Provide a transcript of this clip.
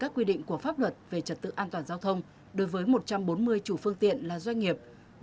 các quy định của pháp luật về trật tự an toàn giao thông đối với một trăm bốn mươi chủ phương tiện là doanh nghiệp